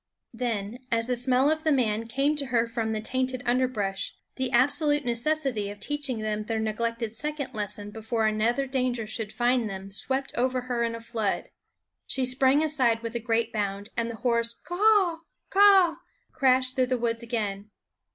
Then, as the smell of the man came to her from the tainted underbrush, the absolute necessity of teaching them their neglected second lesson, before another danger should find them, swept over her in a flood. She sprang aside with a great bound, and the hoarse K a a a h ! k a a a h ! crashed through the woods again.